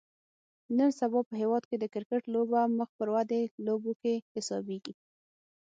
نن سبا په هیواد کې د کرکټ لوبه مخ پر ودې لوبو کې حسابیږي